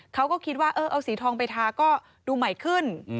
เขาก็คิดว่าเออเอาสีทองไปทาก็ดูใหม่ขึ้น